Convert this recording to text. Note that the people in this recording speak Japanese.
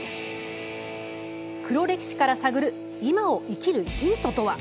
黒歴史から探る今を生きるヒントとは？